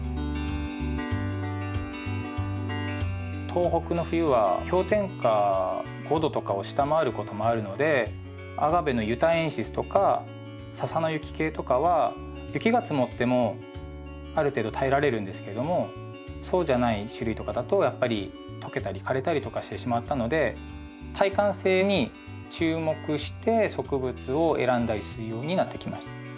東北の冬は氷点下５℃とかを下回ることもあるのでアガベのユタエンシスとか笹の雪系とかは雪が積もってもある程度耐えられるんですけれどもそうじゃない種類とかだとやっぱりとけたり枯れたりとかしてしまったので耐寒性に注目して植物を選んだりするようになってきました。